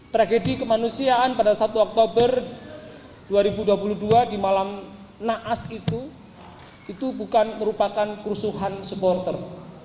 tragedi kemanusiaan pada satu oktober dua ribu dua puluh dua di malam naas itu itu bukan merupakan kerusuhan supporter